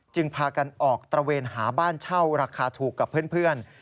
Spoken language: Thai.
พากันออกตระเวนหาบ้านเช่าราคาถูกกับเพื่อน